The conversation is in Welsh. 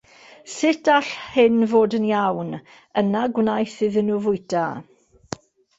Sut all hyn fod yn iawn? Yna gwnaeth iddyn nhw fwyta.